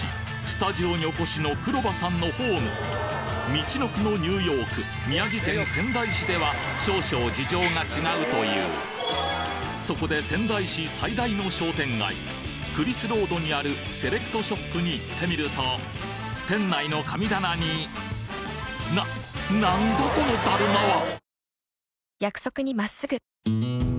スタジオにお越しの黒羽さんのホームみちのくのニューヨーク宮城県仙台市では少々事情が違うというそこで仙台市最大の商店街クリスロードにあるセレクトショップに行ってみると店内の神棚にな何だこのだるまは！？